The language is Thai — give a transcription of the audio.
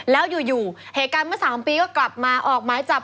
แล้วอยู่เหตุการณ์เมื่อ๓ปีก็กลับมาออกหมายจับ